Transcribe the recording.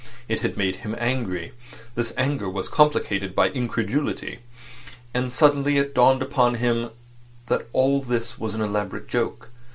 It had made him angry. This anger was complicated by incredulity. And suddenly it dawned upon him that all this was an elaborate joke.